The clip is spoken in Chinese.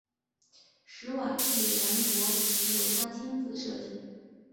史瓦济兰国旗由他所亲自设计。